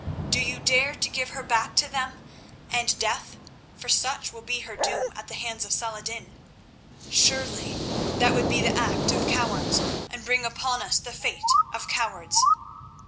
Do you dare to give her back to them and death, for such will be her doom at the hands of Saladin? Surely that would be the act of cowards, and bring upon us the fate of cowards.